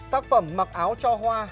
tác phẩm mặc áo cho hoa